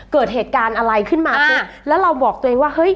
เกิดเหตุการณ์อะไรขึ้นมาปุ๊บแล้วเราบอกตัวเองว่าเฮ้ย